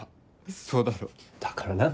そうだろ？だから何だよ。